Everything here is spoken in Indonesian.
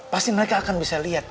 pasti mereka akan bisa lihat